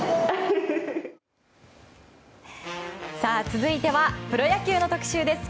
続いてはプロ野球の特集です。